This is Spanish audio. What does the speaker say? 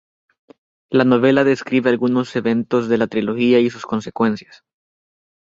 La novela describe algunos eventos de la trilogía y sus consecuencias.